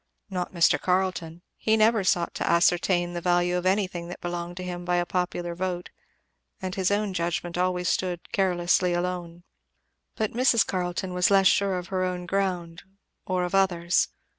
Not Mr. Carleton; he never sought to ascertain the value of anything that belonged to him by a popular vote; and his own judgment always stood carelessly alone. But Mrs. Carleton was less sure of her own ground or of others.